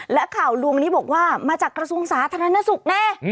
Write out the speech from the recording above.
และข่าวลวงนี้บอกว่ามาจากกระทรวงสาธารณสุขแน่